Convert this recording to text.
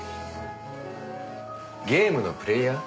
ゲームのプレーヤー？